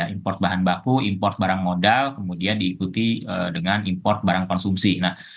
import bahan baku import barang modal kemudian diikuti dengan import barang konsumsi